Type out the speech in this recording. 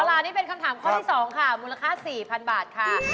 เอาล่ะนี่เป็นคำถามข้อที่๒ค่ะมูลค่า๔๐๐๐บาทค่ะ